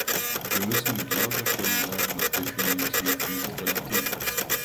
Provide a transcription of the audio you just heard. Wir müssen mit lauter Stimme sagen, was definitiv nicht relativ ist.